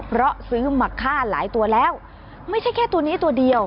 เพราะซื้อมาฆ่าหลายตัวแล้วไม่ใช่แค่ตัวนี้ตัวเดียว